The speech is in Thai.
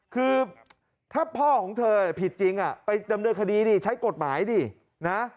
คือถ้าพ่อของเธอผิดจริงไปดำเนินคดีดิใช้กฎหมายดินะ